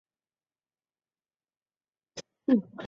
在常州读小学。